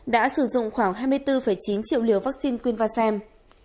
đã sử dụng khoảng hai mươi bốn chín triệu liều vaccine quynh vasem